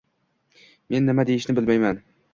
Men nima deyishni bilmayman